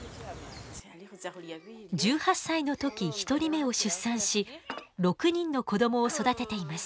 １８歳の時１人目を出産し６人の子どもを育てています。